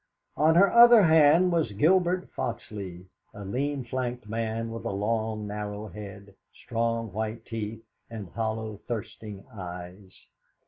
On her other hand was Gilbert Foxleigh, a lean flanked man with a long, narrow head, strong white teeth, and hollow, thirsting eyes.